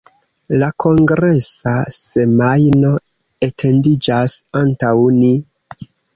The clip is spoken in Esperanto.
La kongresa semajno etendiĝas antaŭ ni.